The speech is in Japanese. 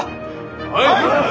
はい！